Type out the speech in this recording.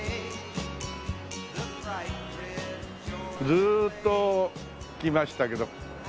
ずーっと来ましたけど。